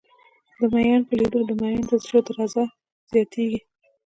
د ميئن په لېدو د ميئن د زړه درزه زياتېږي.